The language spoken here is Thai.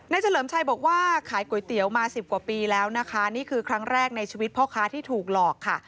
เฉลิมชัยบอกว่าขายก๋วยเตี๋ยวมาสิบกว่าปีแล้วนะคะนี่คือครั้งแรกในชีวิตพ่อค้าที่ถูกหลอกค่ะ